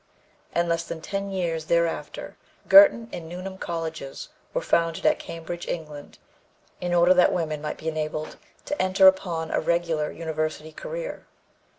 In less than ten years thereafter Girton and Newnham colleges were founded at Cambridge, England, in order that women might be enabled to enter upon a regular university career.